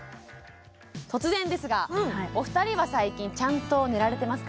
突然ですがお二人は最近ちゃんと寝られてますか？